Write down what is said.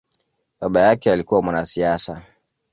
Baba yake alikua mwanasiasa.